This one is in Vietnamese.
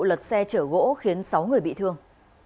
lật xe chở gỗ khiến sáu người bị thương